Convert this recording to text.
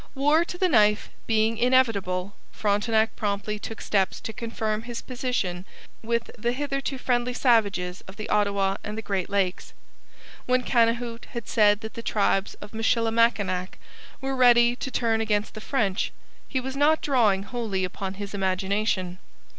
War to the knife being inevitable, Frontenac promptly took steps to confirm his position with the hitherto friendly savages of the Ottawa and the Great Lakes. When Cannehoot had said that the tribes of Michilimackinac were ready to turn against the French, he was not drawing wholly upon his imagination.